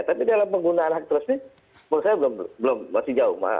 tapi dalam penggunaan hak resmi menurut saya belum masih jauh